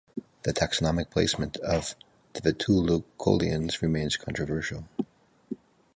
The taxonomic placement of the Vetulicolians remains controversial.